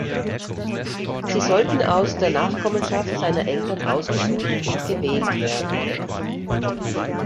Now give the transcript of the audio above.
Sie sollten aus der Nachkommenschaft seiner Eltern ausgesucht und gewählt werden.